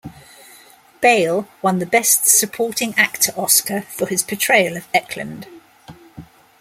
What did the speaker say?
Bale won the Best Supporting Actor Oscar for his portrayal of Eklund.